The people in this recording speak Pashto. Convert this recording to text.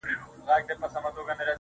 غټي سترگي شينكى خال د چا د ياد.